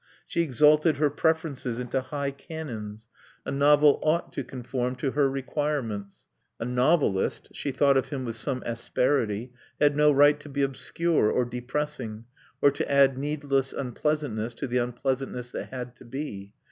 She exalted her preferences into high canons. A novel ought to conform to her requirements. A novelist (she thought of him with some asperity) had no right to be obscure, or depressing, or to add needless unpleasantness to the unpleasantness that had to be.